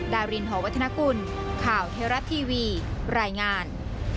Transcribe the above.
ดารินหอวัฒนกุลข่าวเทราะทีวีรายงาน